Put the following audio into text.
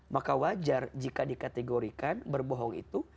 maka wajar jika dikategorikan berbohong itu